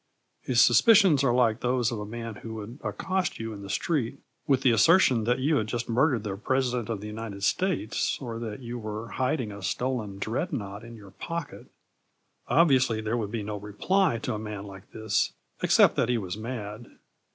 His suspicions are like those of a man who would accost you in the street with the assertion that you had just murdered the President of the United States or that you were hiding a stolen Dreadnought in your pocket. Obviously there would be no reply to a man like this, except that he was mad.